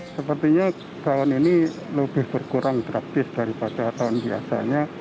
sepertinya tahun ini lebih berkurang drastis daripada tahun biasanya